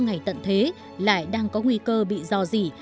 ngày tận thế lại đang có nguy cơ bị giò rỉ